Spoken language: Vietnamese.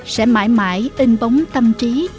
sẽ mãi mãi in bóng tâm trí